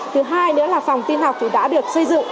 thứ hai nữa là phòng tin học thì đã được xây dựng